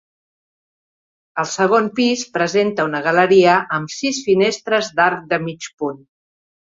El segon pis presenta una galeria amb sis finestres d'arc de mig punt.